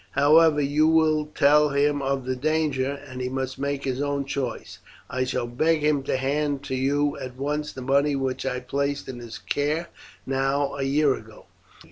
However, you will tell him of the danger, and he must make his own choice. I shall beg him to hand to you at once the money which I placed in his care now a year ago.